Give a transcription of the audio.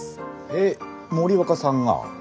えっ？森若さんが？